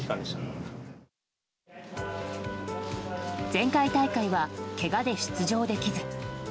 前回大会は、けがで出場できず。